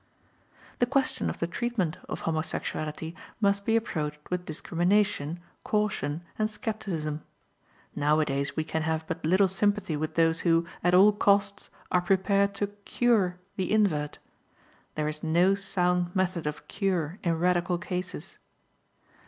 The question of the treatment of homosexuality must be approached with discrimination, caution, and skepticism. Nowadays we can have but little sympathy with those who, at all costs, are prepared to "cure" the invert. There is no sound method of cure in radical cases.